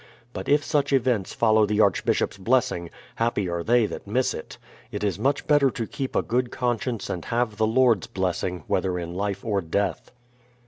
But if such events follow the Archbishop's bless ing, happy are they that miss it ; it is much better to keep a good conscience and have the Lord's blessing, whether in life or death.